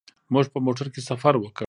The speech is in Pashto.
موږ په موټر کې سفر وکړ.